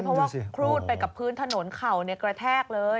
เพราะว่าครูดไปกับพื้นถนนเข่ากระแทกเลย